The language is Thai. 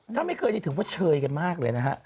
ถ้าไม่เคยนี่ถือว่าเชยกันมากเลยนะฮะ